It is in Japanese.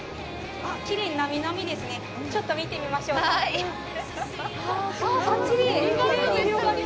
きれいに波々ですねちょっと見てみましょうばっちり！